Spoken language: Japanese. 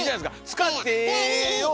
使ってええように。